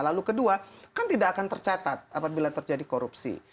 lalu kedua kan tidak akan tercatat apabila terjadi korupsi